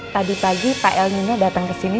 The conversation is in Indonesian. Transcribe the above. tadi pagi pak elmino datang ke sini